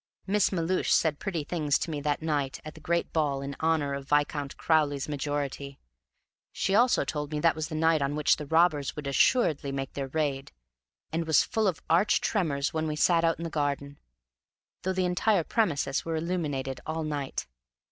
Miss Melhuish said pretty things to me that night at the great ball in honor of Viscount Crowley's majority; she also told me that was the night on which the robbers would assuredly make their raid, and was full of arch tremors when we sat out in the garden, though the entire premises were illuminated all night long.